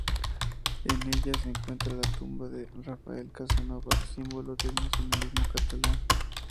En ella se encuentra la tumba de Rafael Casanova, símbolo del nacionalismo catalán.